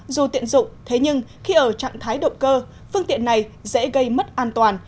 dù tiện dụng thế nhưng khi ở trạng thái động cơ phương tiện này dễ gây mất an toàn